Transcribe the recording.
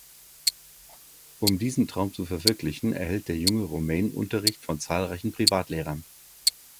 Um diesen Traum zu verwirklichen, erhält der junge Romain Unterricht von zahlreichen Privatlehrern.